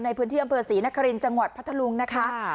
ในพื้นที่อำเภอศรีนครินทร์จังหวัดพัทธลุงนะคะ